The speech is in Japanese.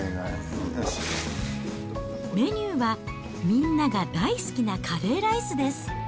メニューはみんなが大好きなカレーライスです。